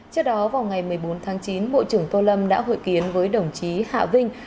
trước đó vào ngày một mươi bốn tháng chín bộ trưởng tô lâm đã hội kiến với đồng chí hạ vinh